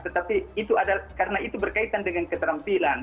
tetapi karena itu berkaitan dengan keterampilan